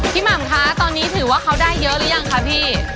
หม่ำคะตอนนี้ถือว่าเขาได้เยอะหรือยังคะพี่